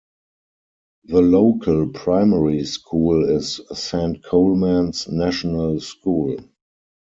The local primary school is Saint Colman's National School.